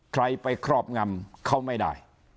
ใครไปครอบงำเขาไม่ได้